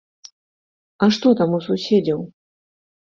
А што там у суседзяў?